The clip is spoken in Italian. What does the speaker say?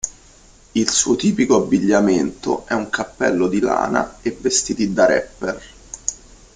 Il suo tipico abbigliamento è un cappello di lana e vestiti da rapper.